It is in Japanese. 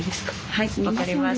はい分かりました。